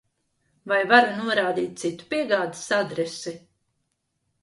Vai varu norādīt citu piegādes adresi?